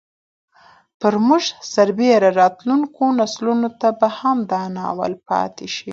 پر موږ سربېره راتلونکو نسلونو ته به هم دا ناول پاتې شي.